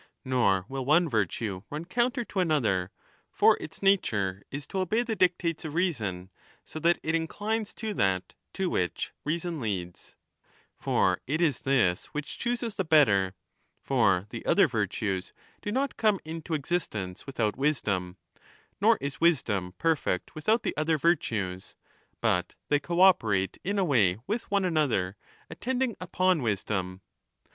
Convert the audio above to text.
5 Nor will one virtue run counter to another, for its nature is to obey the dictates of reason, so that it inclines to that to which reason leads. For it is this which chooses the better. For the other virtues do not come into existence without wisdom, nor is wisdom perfect without the other virtues, but they co operate in a way with one another, 10 attending upon wisdom.